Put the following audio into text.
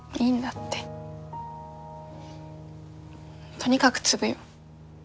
とにかく継ぐよ。